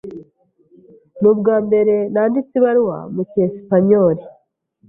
Ni ubwambere nanditse ibaruwa mu cyesipanyoli.